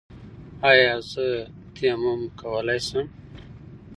ایا زه تیمم کولی شم؟